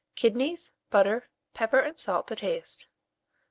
Kidneys, butter, pepper and salt to taste.